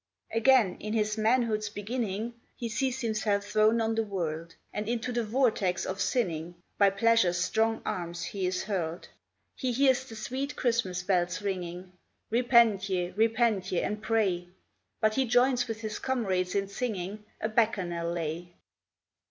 Again, in his manhood's beginning, He sees himself thrown on the world, And into the vortex of sinning By Pleasure's strong arms he is hurled. He hears the sweet Christmas bells ringing, "Repent ye, repent ye, and pray"; But he joins with his comrades in singing A bacchanal lay.